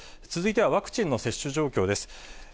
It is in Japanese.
続いては、ワクチンの接種状況です。